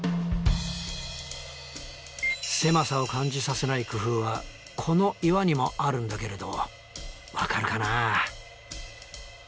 狭さを感じさせない工夫はこの岩にもあるんだけれど分かるかな？